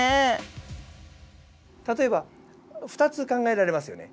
例えば２つ考えられますよね。